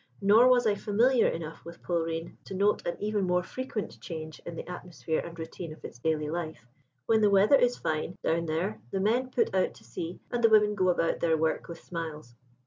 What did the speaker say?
Nor was I familiar enough with Polreen to note an even more frequent change in the atmosphere and routine of its daily life. When the weather is fine, down there, the men put out to sea and the women go about their work with smiles.